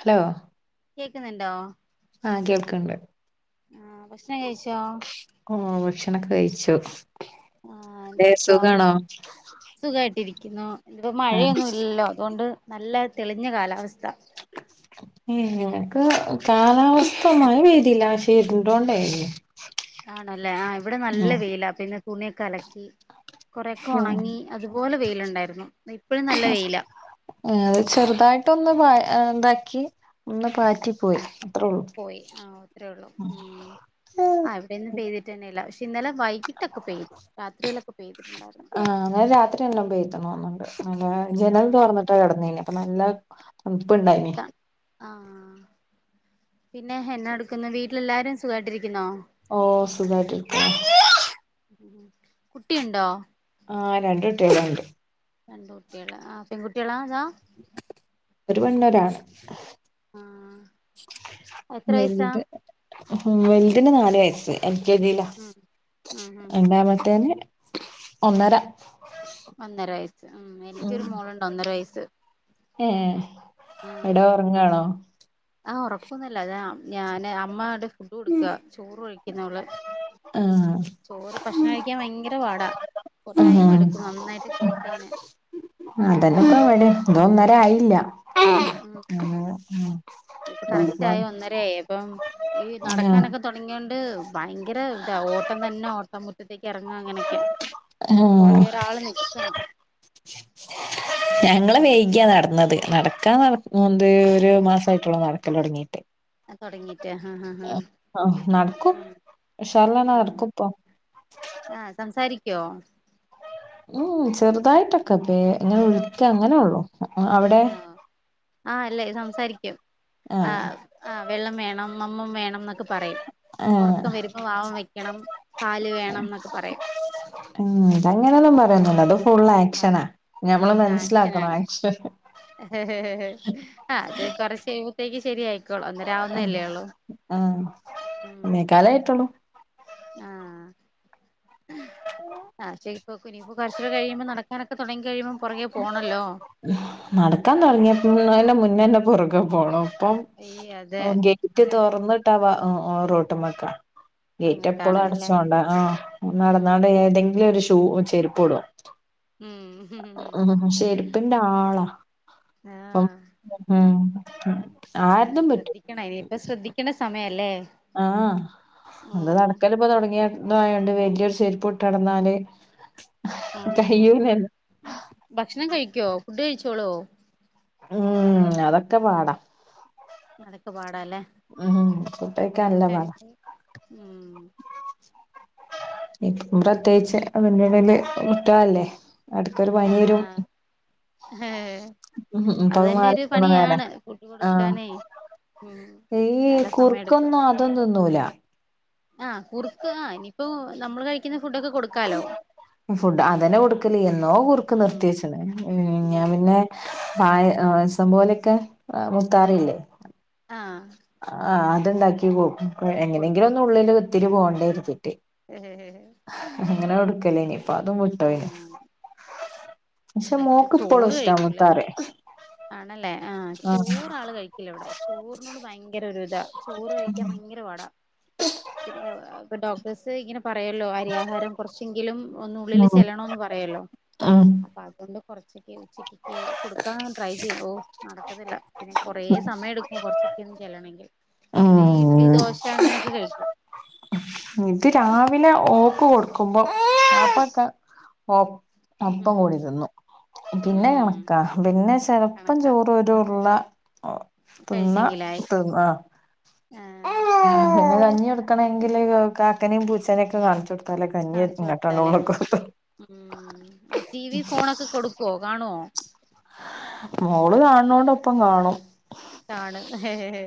Hello കേക്കുന്നുണ്ടോ ആഹ കേൾക്കണ്ട് ആഹ് ഭക്ഷണം കഴിച്ചോ ഓ ഭക്ഷണംൊക്കെ കഴിച്ചു ക്ഷ ആഹ എന്ത്രിക്ക സുഖ കട്ടിരിക്ക ുന്നു ഇപ്പോ ആഹ് മഴയൊന്നും ഇല്ലല്ലോ അതുകൊണ്ട് നല്ല തെളിഞ്ഞ കാലാവസ്ഥ ഉം കാലാവസ്ഥ ഒന്നായി വേരില്ല ശരിണ്ടോണ്ടായിേ ആണല്ലേ ആ ഇവിടെ നല്ല വെയില പിന്നെ തുണിയൊക്കെ അല കൊറെൊക്കെ ഉം ഉണങ്ങി അതുപോലെ വെയിലുണ്ടായിരുന്നു ഇപ്പഴും നല്ല വെയില ആ, അത് ചെറുതായിട്ട ഒന്ന് ഇണ്ടാക്കി ഒന്ന് പാറ്റിപ്പോയി അത്രേ ഉള്ളൂ പോയി ആ ഒത്രേള്ളൂ ഉ ആ ഇവിടെന്നും പെയ്തിട്ടെന്നെ ഇല്ല പക്ഷെ ഇന്നലെ വൈകിട്ടൊക്കെ പെയ്തു രാത്രിയിലൊക്കെ പെയ്തിട്ടുണ്ടായിരുന്നു ആ ഇന്നലെ രാത്രി നലോം പെയ്ത്ണ് തോന്ന്ണ്ട് നല്ല ജനൽ ആഹ് തുറന്നിട്ട കിടന്നിന്നെ അപ്പൊ നല്ല ണുപ്പുണ്ടായിന് ആഹ് പിന്നെ എന്നെടുക്കുന്നെ വീട്ടിലെല്ലാരും സുഖമായിട്ടിരി ഓ സുഖായിട്ടരിക്ക കുട്ടിയുണ്ടോ ആ രണ്ട് കുട്ടിള്ള്ണ്ട് പെങ്ങുട്ടിളെതാ ഒരു പെണ്ണും ഒരാണും ആ എത്ര വയസാ വെലുതിന് നാല് വയസ്സ് എൽ കെ ജിയില ഉം ഉം ഉം ഉം രണ്ടാമത്തേന് ഒന്നര ഒന്നര വയസ് ഉം എനിക്കൊരു മോളുണ്ട് ഒന്നര വയസ് ഏ എവിടെ ഉറങ്ങാണോ ആഹ് ഉറക്കൊന്നല്ല ഇതെ ഞാനെ അമ്മവിടെ ഫുഡ് കൊടുക്കുക ചോറ് ഒഴിക്കുന്നവള് ആ ചോറ് ഭക്ഷണം കഴിക്കാൻ വയങ്കര പാടാ ടൈം ഉം എടുക്കും നന്നായിട്ട് കൊടുക്കാന് അതെനെപ്പം ഇവടെ [unintelligible] ധോം ന്നര ആയില്യ ഉം ഇപ്പൊ കറക്റ്റ് ആയി ഒന്നരായി അപ്പം ഈ ആ, നടക്കാനൊക്കെ തൊടങ്ങിയൊണ്ട് ഭയങ്കര ഇതാ ഓട്ടം തന്നെ ഓട്ടം മുറ്റത്തേക്ക് ഇറങ്ങാ അങ്ങനെയൊക്കെ പ്പ ഉം. പുറകെ ഒരാള് നിക്കണം. ഞങ്ങള് വൈകിയാ നടന്നത്. നടക്കാ നട മുന്ത് ഒരു മാസ ആയിട്ടുള്ളൂ നടക്കലൊടങ്ങീട്ട് അം തൊടങ്ങി ആഹ് നടക്കും. ഉം ഉഷർല്ലന്നെ ഉം നടക്കുപ്പം ആഹ് സംസാരിക്കോ? ഉം ചെറുതായിട്ടൊക്കെ പ്പേ ഇങ്ങനെ ഒഴിക്ക അങ്ങനെ സംസാരിക്കാം ഒള്ളു അവിടെ ആഹ് ആഹ് അല്ലേ സംസാരിക്കും ആ ആഹ് ആഹ് വെള്ളം വേണം അമ്മം വേണം എന്നൊക്കെ പറയും ആ ഒറക്കം വരുന്നു വാവം വെക്ക്യണം പാല് വേണം ഇന്നൊക്കെ പറയും ഉം ഇതങ്ങനൊന്നും ഉം പറയൊന്നുല്ല ഇത് ഫുള്ള് ഏക്ഷനാ പറഞ്ഞു ഞം ആക്ഷനാണ് ഹ് ഹ് ആത് കൊറച്ച് കഴിഞ്ഞപ്പോത്തെ ഇയ്ക്ക് ശെരിയായിക്കോളു ഒന്നെര ആവൊന്നെല്ലെ ഒള്ളു ആഹ് ഉം ഒന്നേക്കാലായിട്ടുള്ളൂ ആഹ് അക്ഷെ ഇപ്പൊ കുനിപ്പോ കൊറച്ചൂടെ കഴിയുമ്പോ നടക്കാനൊക്കെ തൊടങ്ങി കഴിയുമ്പോ പുറകെ പോണല്ലോ നടക്കാ ഉം തൊടങ്ങ്യഫുള്ളെല മുന്നെന്നെ പൊറകെ പോണം ഇപ്പം അയ്യേ അതെ ഗെറ്റ് തൊറന്നിട്ടവ റോട്ട്മക്ക ഗേറ്റ് എപ്പളും അങ്ങോട്ടാണ് അല്ലെ അടച്ചോണ്ടാ ആഹ് ഉം നടന്നാണ്ട് ഏതെങ്കിലും ഒരു ഉം ചെരിപ്പ് ഇടും ഉം ഉം ചെരിപ്പിന്റെ ആളാ അപ്പം ഉം ഉം ശ്രദ്ധിക്കണെ ഇനിയിപ്പ ശ്രദ്ധിക്ക്ണ സമയല്ലേ ആഹ് ഹ ഇന്ന് ഉം നടക്കല് ഇപ്പ തൊടങ്ങി ഇതോയാണ്ട് വല്യെരു ചെരിപ്പ് ഇട്ട് നടന്നാല് ഉം ഉം ഉം കയ്യൂലല്ലോ ഭക്ഷണം കഴിക്ക്യാെ ഫുഡ് കഴിച്ചോളോ ഉം അതൊക്കെ പാട അതെക്കെപാട് ഇതാല്ലേ ഫുഡഴിക്കാൻ എ നല്ല പാടാ എനിക് ഉം ഇൻ [unintelligible] ക്കും പ്രത്യേയിച്ച് മെല്ലെ മെല്ലെ മുത്തേളെല്ലേ എടൊക്കൊരു പനി വെരും ആഹ് ഹേ ഉം ഉം അത് ഇപ്പഹ് തന്നെ മാറി ഒരു പോണെ നേര പണിയാണ് ഫുഡ് ആഹ് കൊടുക്കാനേ ഉം ഈ ഇ നല്ല സമയം എടുക്കും കുറുക്കൊന്നും അതും തിന്നൂല ആഹ് കുറുക്ക് ആഹ് ഇനിപ്പോ നമ്മള് കഴിക്കുന്ന ഫുഡൊക്കെ കൊടുക്കാലോ? ഫുഡ് അതന്നെ കൊടുക്കല് എന്നോ കുർക്ക് ഉം നിർത്തിവച്ചണ് ഉ ഉം ഞാൻ പിന്നെ പായസം പോലൊക്കെ മുത്താറില്ലേ? ആഹ് ആ അത്ണ്ടാക്കി കോ [unintelligible] എങ്ങനെങ്കിലും കൊടുക്കും ഒന്ന് ഉള്ളില് ഒത്തിരി പോണ്ടേന്നെരുതും. അങ്ങനെ കൊടുക്കലേ ഇനി ഇപ്പ ഉം അതും വിട്ടോ ഉം [unintelligible] ക്ഷെ മോക്ക് ഇപ്പോളും ചോറ് ഇഷ്ടാ കഴിക്കൂല മുത്താറി. ആണല്ലേ ആ ചോറ് ആള് കഴിക്കൂല ഇവിടെ ചോറിനോട് ഭയങ്കര ഒരു ഇതാ ചോറ് കഴിക്കാൻ ഭയങ്കര പാടാ. പിന്നെ ഇപ്പൊ ഡോക്ടേഴസ് ഇങ്ങനെ പറയല്ലോ അരിയാഹാരം കുറച്ചെങ്കിലും ഒന്നുള്ളിൽ ഉം ചെല്ലണന്ന് പറയല്ലോ ഉം അപ്പൊ അതുകൊണ്ട് കൊറച്ചൊക്ക ഉച്ചക്ക് കൊടുക്കാ ട്രൈ ചെയ്യും ഓ നടക്കത്തില്ല. പിന്നെ കൊറെ സമയം എടുക്കും. കൊറച്ചൊക്കെ ഒന്ന് ചെല്ലണങ്കിൽ. പിന്നെ ഇഡ്ലി ഉം ദോശ അങ്ങനെയൊക്കെ കഴിക്കും. ഇത് രാവിലെ ഓക്ക് കൊടുക്കുമ്പോ അപ്പക്കഓക്ക് അപ്പം ഉം കൂടി തിന്നു ഉം പിന്നെ കണക്കാ പിന്നെ ചെലപ്പം കണക്കാ ചോറ് ഒരു ഉരുള തിന്ന കഴിച്ചെങ്കിലായി തിന്ന് ആ ആഹ് [unintelligible] കഞ്ഞി കൊടുക്കണമെങ്കില് കാക്കനേയും പൂച്ചനെയും ഒക്കെ കാണിച്ച് കൊടുക്ക കാണിച്ചു കൊടുത്താലേ ഉ ടി വി ഫോണൊക്കെ കൊടുക്കുവോ? കാണുവോ? മോള് കാണ നോണ്ട് ഒപ്പം കാണും. കാണുംഹ ഹേ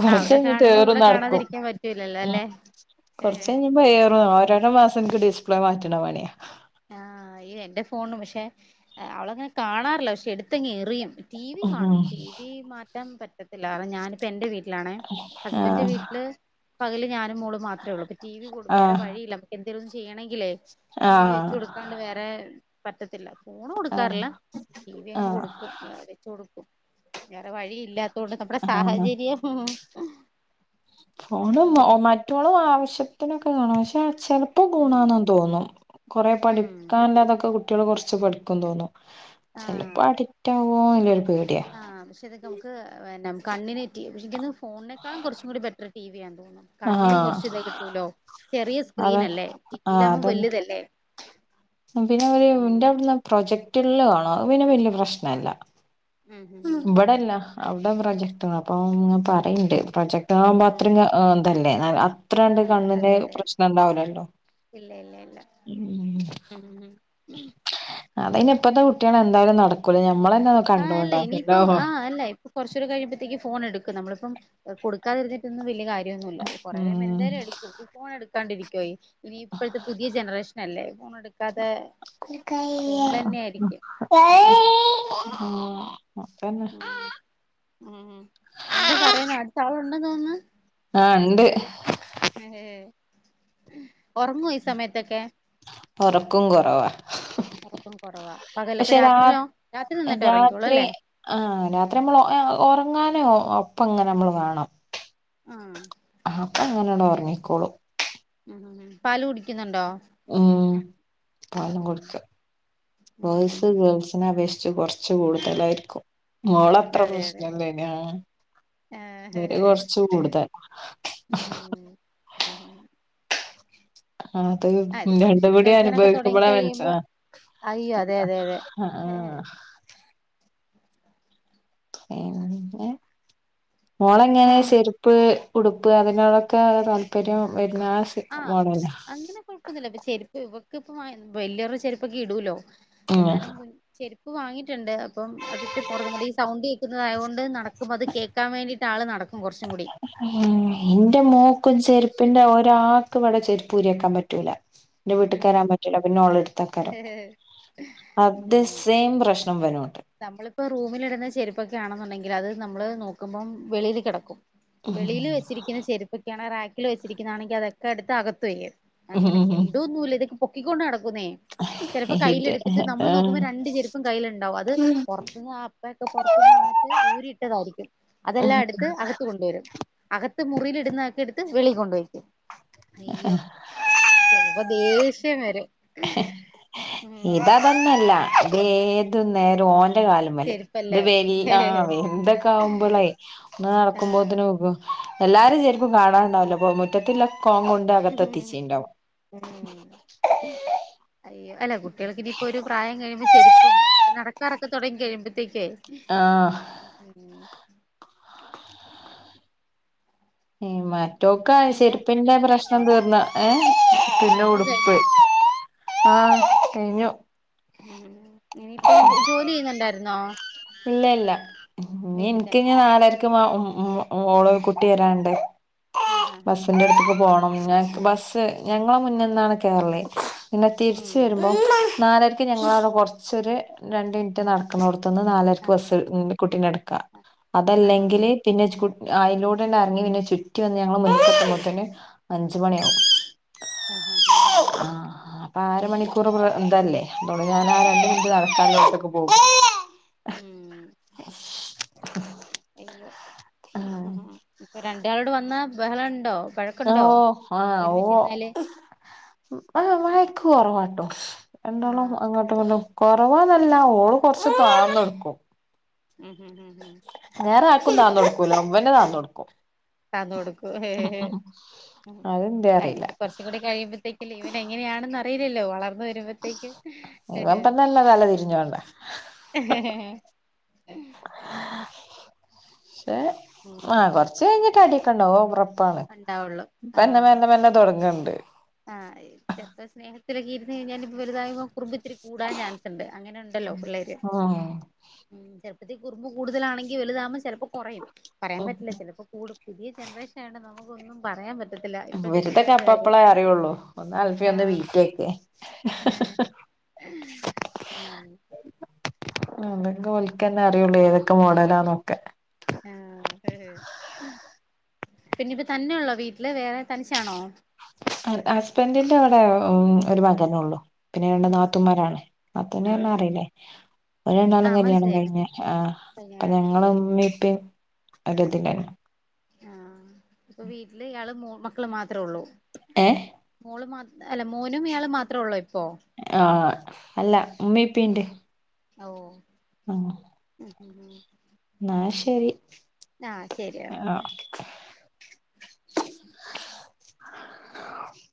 കൊറച്ച് അവിടെ കഴിഞ്ഞിട്ട് കാണുമ്പോ ഏറും ഇവിടെ കാണാതിരിക്കാൻ പറ്റൂലല്ലോ അല്ലെ? കുറച്ച് കഴിയുമ്പോ ഏർ ഓരോരോ മാസം എനിക്ക് ഡിസ്പ്ലേ മാറ്റണ പണിയാ. ആ അയ്യോ എന്റെ ഫോണ് പക്ഷെ അവളങ്ങനെ കാണാറില്ല. പക്ഷെ എടുത്തങ്ങ് എറിയും. ടി വി കാണും ഉം ടി വി മാറ്റാൻ പറ്റത്തില്ല. കാരണം ഞാനിപ്പ എൻ്റെ വീ [unintelligible] വീട്ടിലാണ് ഹസ്ബന്റെ ആഹ് വീട്ടില് പകല് ഞാനും മോള് മാത്രേള്ളൂ. ഇപ്പ ടിവി വേറെ വഴിയില്ല നമക്ക് എന്തേലും ചെയ്യണക്കിലെ. ആ കൊടുക്കാണ്ട് വേറെ പറ്റത്തില്ല. ഫോൺ ആഹ് കൊടുക്കാറില്ല. ടി വി അങ്ങ് ആഹ് കൊടുക്കും വെച്ച് കൊടുക്കും. വേറെ വഴി ഇല്ലാത്ത കൊണ്ട് നമ്മുടെ ആഹ് സാഹചര്യം ഫോണും ഉം മറ്റോളും ആവശ്യത്തിനൊക്കെ കാണും പക്ഷെ ചെലപ്പോ ഉം ഗുണാന്നെന്ന് തോന്നും കൊറേ ഉം പഠിക്കാൻല്ലാതൊക്കെ കുട്ടികൾ കുറച്ച് പഠിക്കും തോന്നും ആഹ് ചെലപ്പോ അടിക്റ്റ് ആവോ ആഹ് പക്ഷേ ഇതൊക്കെ നമുക്ക് കണ്ണിന് പക്ഷെ എനിക്ക് തോന്നു ഫോണിനേക്കാളും കുറച്ചും കൂടി ബെറ്റർ ടി വി യാണ് കണ്ണിന് ആഹ് കൊറച്ച് ഇത് കിട്ടൂലോ ചെറിയ അതെ സ്ക്രീനല്ലേ ആഹ് ടിവിലാകുമ്പോ അതന്നെ വലുതല്ലേ പിന്നെ ഒരു ഉം [unintelligible] പ്രോജക്ട് മറ്റുള്ളാണോ പിന്നെ വല്യ പ്രശ്നല്ല ഉം ഉം ഉം ഇവിടെല്ല അ [unintelligible] പ്രൊജക്ട്റ് അപ്പൊ പറയണ്ട് പ്രൊജക്ട് താമ്പോ ഉം അത്ര ഉം എന്തല്ലേ അത്രണ്ട് ആഹ് കണ്ണിന് അതെ അതെ പ്രശ്നം ഇണ്ടാവിലല്ലോ ഇല്ല ഇല്ല ഇല്ല ഉം ഉം ഉം അപിന്നെ ഇപ്പഴത്തെ കുട്ടിയളെന്താലും നടക്കൂല ഞമ്മളന്നെ കണ്ടൊണ്ടാക്കല്ല പിന്നാന്നോ കുറച്ച് കഴിയുമ്പഴത്തേക്ക് ഫോൺ എടുക്കും നമ്മളിപ്പം കൊടുക്കാതിരിന്നിട്ടൊന്നും വലിയ കാര്യ കാര്യം ഒന്നും ഇല്ല കുറെ കഴിമ്പോ ഉം എന്തായാലും എടുക്കും ഈ ഫോൺ എടുക്കാണ്ടിരിക്കുവോയ് ഇനി ഇപ്പോത്തെ പുതിയ ജനറേഷൻ അല്ലേ ഫോൺ എടുക്കാതെ ഫോണിൽ തന്നെ ആയിരിക്കും അതന്നെ ഉം ഉഎന്താ പറയുന്ന അടുത്ത് ആളുണ്ടെന്ന് തോന്നുന്നു ആഹ് ഉണ്ട് ഏ ഉറങ്ങുവോ ഈ സമയത്തൊക്കെ ഒറക്കം കുറവാ ഉറക്കം കുറവാ പകല്ലപ്പോ രാ രാത്രിയോ രാത്രി നന്നായിട്ട് രാത്രി ഉറങ്ങിക്കോളൂല്ലേ ഉറങ്ങാനേ ഒപ്പങ്ങനെ നമ്മള് വേണം ആഹ് അങ്ങനട ഉറങ്ങിക്കോളൂ ഉം പാല് കുടിക്കിന്ന്ണ്ടോ ഉം പാലും കൊടുക്ക ഉം ഉം ബോയ്സ് ഉം ഗേൾസിനെ അപേക്ഷി ച്ച് കൊറ്ച്ച് കൂടുതലായിരിക്കും മോളത്ര പ്രശ്നല്ലേനി ആഹ് ഇവര് ഏഹ് കൊറച്ച് കൂടുതലാ ഉം ആഹ് അത് ഉം അതെ ഭക്ഷണം രണ്ട്ക്കൂടി കഴിക്കാനൊക്കെ തുടങ്ങി അനുഭവിക്കുമ്പളാ മന്സ കഴിയുമ്പോ ആഹ് അയ്യോ അതെ [unintelligible] അതെ അതെ ആഹ് ആഹ് [unintelligible] ഏഹ് ആ മോളെങ്ങനെ ഷെരുപ്പ് ഉടുപ്പ് അതിനോടക്കേള്ള താല്പര്യം വര് ആഹ് അങ്ങനെ കൊഴപ്പൊന്നുല്ലാപ്പം ചെരിപ്പ് ഇവ ക്ക് ഇപ്പ വാങ്ങി ഉം വെല്ല്യോര്ടെ ചെരുപ്പൊക്കെ ഇടൂല്ലോ ഉം എന്നാലും കു ചെര് പ്പ് വാങ്ങീട്ട്ണ്ട് അപ്പം അതിട്ട് പൊറക്ന്നൂടീ ഈ സൗണ്ട് കേക്കുന്നതായോ ണ്ട് നടക്കുമ്പത് കേക്കാ വേണ്ടീട്ട് ആള് നടക്കും കൊറ്ച്ചുക്കൂടി ഏഹ് ഇന്റെ മോക്കും കുറച്ച് ചെരുപ്പിന്റെ ഒരാക്ക് ഇവടെ ചെര്പ്പ് ഊരിയെക്കാൻ പറ്റൂലാ ഇന്റെ ഉം വീട്ട്ക്കേരാൻ പറ്റൂല്ല പിന്നെ ഓള് ഇട്ത്തേക്കാരം അത് സെയിം പ്രശ്നം ഇവനു ആഹ് നമ്മള്പ്പോ റൂമില്ട്ന്ന ചെരുപ്പൊക്കെ ആണെന്നുണ്ടെങ്കില് അത് നമ്മള് നോക്കുമ്പം വെളീല് കെടക്കും ഉം വെളിൽ വെച്ചിരിക്കുന്ന ചെരുപ്പൊക്കെയാണ് റാക്കിൽ വെച്ചിരിക്കുന്നതാണെങ്കിൽ അതൊക്കെ അടുത്ത് അകത്ത്ുയത് അങ്ങനെയക്കെ ഇടൊന്നുമല്ല ഇതൊക്ക പൊക്കിക്കൊണ്ട് നടക്കും ുന്നേ ചിലപ്പോ കയ്യില ഇത് എടുത്തിട്ട് നമ്മള് നോക്കുമ്പോ രണ്ട ചെരുപ്പ കയ്യിലുണ്ടാവും അത് പുറന്ന് അപ്പൊക്കെ പുറത്തന്ന് വന്നിട്ട് ഊരിട്ടതായിരിക്കും അതെല്ലാം എടുത്ത് ആഹ് അകത്ത് കൊണ്ടുവരും ത്ത് മുറിൽ ഇടുന്നക്കി എടുത്ത് വെളി കൊണ്ടപോക്കും അ്യോ ചപ്പോ ഇതേ വരെ ഇതതന്നല്ല അത ഏത് നേരം ഓൻ എറെ കാല മല ഇത് ചെരുപ്പല്ലേ വ ആ വന്തൊക്കെ ആവുമ്പോളേ ഒന്ന് നടക്കുമ്പോന് ആഹ് നക്ക എല്ലാരും ചെരിപ്പും കാണാൻുണ്ടാവില്ല അപ്പൾ മുത്തത്തി കോങ്കോണ്ട് അകത്തെത്തിച്ചേണ്ടാവും ഉം അയ്യോ അല്ല കുട്ടികൾക്ക്ിനനിയിപ്പോൊ ഒരു പ്രായം കഴിയുമ്പോം ചെരിപ്പും നടക്കാറൊക്കെ തുടങ്ങി കഴിയുമ്പോ ത്തിക്ക ആഹ് മ റ്റോക്ക പിന്നെ ചെരുപ്പിൻന്റെ പണിയൊക്കെ കഴിഞ്ഞോ പ്രശ്നം തീർന്ന ഏ പിന്നെ പണിയൊക്കെ ഉടുപ്പ് കഴിഞ്ഞോ ആഹ കഴിഞ്ഞു ഉ ഇനിയിപ്പ ജോലി ചെയ്യുന്നുണ്ടായിരുന്നോ ഇല്ല ഇല്ല ഇനി വീട്ടിൽ എനിക്കി തന്നെ നാലരക്ക്ും ഉ ഓ ഓളോ കുട്ടി വരണ്ട് ആഹ് ആഹ് ആഹ് ബസ്സിന്റെ അടുത്ത്ക്ക പോണം ഞക്ക് ബസ്സ് ഞങ്ങളെ മുന്നന്നാണ് കേരള നിന്നെ ഉം തിരിച്ച് വരുമ്പോ നാലരക്ക് ഞങ്ങളവിടെ കുറച്ചൊരു രണ്ട് മിനിറ്റ് നടക്കുന്നന്ന് നടക്കുന്നു കുട്ടക്ക ആഹ് അതല്ലെങ്കിൽ ആഹ് പിന്നെ അതിലൂടെ തന്നെ ഇറങ്ങി പിന്നെ ചുറ്റി വന്ന് ഞങ്ങള്ൾ മുൻപട്ടുമ്പോത്ത തന്നെ അഞ്ച മണിയാകും ആഹ് ഹഹ് ഹഹ് ഹ് അപ്പൊ ആര മണിക്കൂർ എന്തല്ലേ എന്തോ ഞാന ആ രണ്ട ഉം മിനിറ്റ് നടക്കാന ദിവത്തൊക്കെ പോകും ഉം അയ്യോ ആ ആഹ് ഇപ്പൊ രണ്ടാളോട് വന്ന ബഹളം ഉണ്ടോ ഓ വഴക്കുണ്ടോ ആഹ ഓ ഒരുമിച്ചിരുന്നാല് ആഹ് മക്കും വറ വട്ടോ എണ്ടോളും ആഹ് അങ്ങോട്ട് വും കൊറവാന്നല്ല ഓള് കൊറച്ച് കാന്ന എടുക്കും ഉം ഉം ഉം ഉം ന നാന്ന കൊടുക്കൂല്ലോ അവെ താന്ന കൊടുക്കും തന്നോടുക്ക ഹ ഉ അതെന്തേ അറിയില്ല എനിക്ക് കുറച്ചും കൂടി കഴിയുമ്പോഴത്തേക്കല്ല ഇവൻ എങ്ങനെയാണെന്ന് അറിയില്ലല്ലോ വളർ അ വരുമ്പോത്തേക്ക് ഹ ഇവൻ ഇപ്പം തന്നെ തല തിരിഞ്ഞോണ്ടാ ഉം ആഹ കൊറച്ച് കഴിഞ്ഞിട്ട് അടക്കണ്ട ഓ ഉണ്ടാവുള്ളു [inaudible] പിന്നെ ആഹ് മന്നെ മന്നെ തുടങ്ങണ്ട് ആഹ് ചെലപ്പോ സ്നേഹത്തിലൊക്കെ ഇരുന്ന് കഴിഞ്ഞാല് ഇപ്പ വലുതാകുമ്പോ കുറുമ്പ് ഇത്തിരി കൂടാൻ ചാൻസ് ഉണ്ട് അങ്ങനെ ഉണ്ടല്ലോ പിള്ളേര് ആഹ് ഉെ പ്പത്ത കുറുമ്പ് കൂടുതലണെങ്കിൽ വലുതാകുമ്പം ചിലപ്പോ കുറയും പറയാൻ പറ്റില്ല ചിലപ്പോ കൂ പുതിയ ജനറേഷൻ ആയണ്ട നമുക്കൊന്നും പറയാൻ പറ്റത്തില്ല ഇപ്പഴത്തെ പിള്ളേരുടെ കാര്യം ള്ളൂ ഒന്ന് അൽഫിയ ഒന്ന് ആഹ് വീട്ടിലൊക്കെ ഉം അതെങ്ക വലിക്കന്നെ അറിയുള്ളൂ ഏതൊക്കെ മോഡലാ [inaudible] ന്നൊക്കെ ആഹ പിന്നെപ്പ തന്നെയ ഉള്ളോ വീട്ടില് വേറെ തനിച്ചാണോ ഹസ്ബൻഡിന്റെ അവിടെ ഒരു മകന ഉള്ളു പിന്നെ രണ്ട് ആഹ് നാത്തുമാരാണ് നാത്തൂന ഒന്നും ആഹ് അറിയില്ലേ അവര്ണ്ടാളും ആഹ് കല്യാണം മനസ്സിലായി മന കഴിഞ്ഞ ആ അപ്പൊ കല്യാണം കഴിഞ്ഞ് ഞങ്ങ പോയി ഉമ്മയുപ്പ അതത്തിന്നെ ആഹ് ഇപ്പൊ വീട്ടില് ഇയാള് മ മക്കള് മാത്രമേ ഉള്ളൂ ഏ അല്ല മൂന്നും ഇയാള് മാത്രേ ഉള്ള ആഹ അല്ല ഉമ്മപ്പണ്ട് ഓ ആഹ ഉ എന്ന ശരി ആഹ ശരിയന്ന ആഹ് [unintelligible]